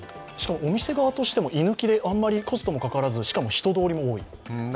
しかも、お店側としても居抜きであまりコストもかからず、人通りも多い。